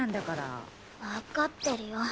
わかってるよ。